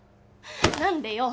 何でよ？